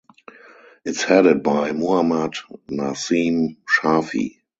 It's headed by Muhammad Naseem Shafi.